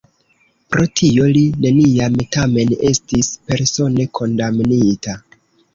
Pro tio li neniam tamen estis persone kondamnita.